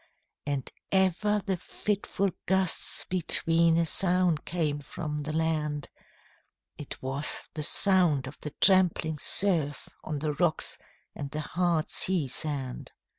And ever the fitful gusts between A sound came from the land; It was the sound of the trampling surf, On the rocks and the hard sea sand.